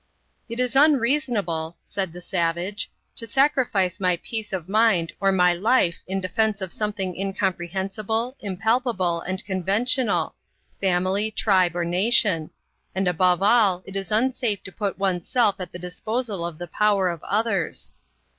"It is unreasonable," said the savage, "to sacrifice my peace of mind or my life in defense of something incomprehensible, impalpable, and conventional family, tribe, or nation; and above all it is unsafe to put oneself at the disposal of the power of others."